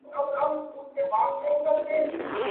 د افغان غازیانو پوځ د دښمن مقابله وکړه.